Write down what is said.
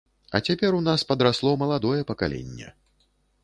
А цяпер у нас падрасло маладое пакаленне.